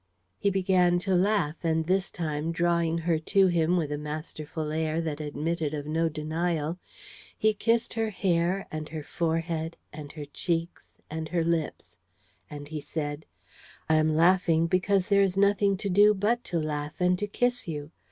He began to laugh and this time, drawing her to him with a masterful air that admitted of no denial, he kissed her hair and her forehead and her cheeks and her lips; and he said: "I am laughing because there is nothing to do but to laugh and kiss you.